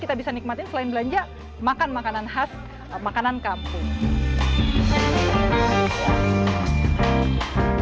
kita bisa nikmatin selain belanja makan makanan khas makanan kampung